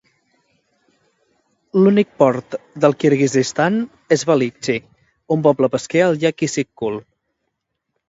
L'únic port del Kirguizistan és Balykchy, un poble pesquer al llac Issyk Kul.